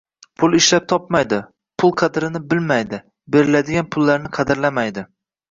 • Pul ishlab topmaydi – pul qadrini bilmaydi, beriladigan pullarni qadrlamaydi;